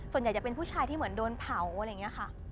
ส่วนใหญ่จะเป็นผู้ชายที่เหมือนโดนเผาอะไรอย่างนี้ค่ะ